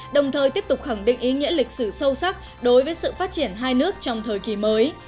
đồng thời tiếp tục khẳng định ý nghĩa lịch sử sâu sắc đối với sự phát triển hai nước trong thời kỳ mới